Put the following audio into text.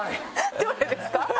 どれですか？